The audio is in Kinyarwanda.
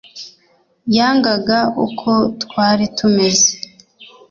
Yangaga uko twari tumeze